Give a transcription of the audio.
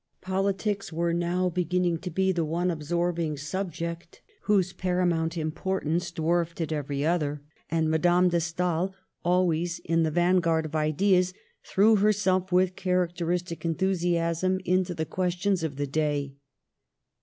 Politics were now beginning to be the one absorbing subject whose paramount importance dwarfed every other; and Madame de Stael, always in the vanguard of ideas, threw herself with characteristic enthusiasm into the questions of the day.